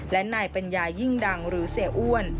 และนายปัญญายิ่งดังหรือเสียอ้วน